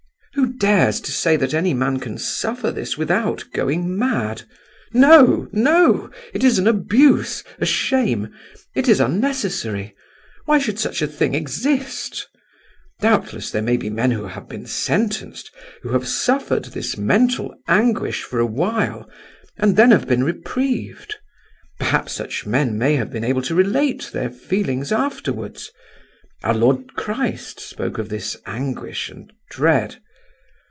Who dares to say that any man can suffer this without going mad? No, no! it is an abuse, a shame, it is unnecessary—why should such a thing exist? Doubtless there may be men who have been sentenced, who have suffered this mental anguish for a while and then have been reprieved; perhaps such men may have been able to relate their feelings afterwards. Our Lord Christ spoke of this anguish and dread.